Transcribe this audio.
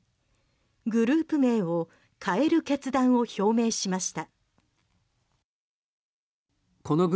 グループ名を変える決断を表明しました。